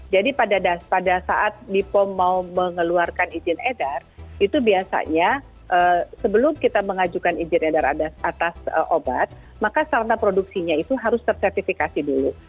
pada saat dipom mau mengeluarkan izin edar itu biasanya sebelum kita mengajukan izin edar atas obat maka sarana produksinya itu harus tersertifikasi dulu